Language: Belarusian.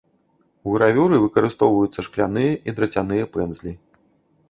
У гравюры выкарыстоўваюцца шкляныя і драцяныя пэндзлі.